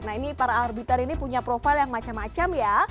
nah ini para arbiter ini punya profil yang macam macam ya